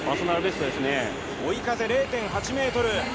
追い風０．８メートル。